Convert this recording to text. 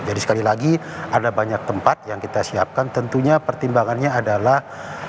jadi sekali lagi ada banyak tempat yang kita siapkan tentunya pertimbangannya adalah